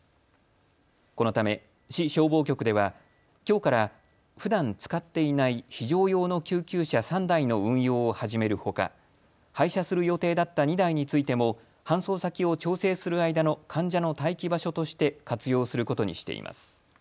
このため市消防局ではきょうからふだん使っていない非常用の救急車３台の運用を始めるほか廃車する予定だった２台についても搬送先を調整する間の患者の待機場所として活用することにしています。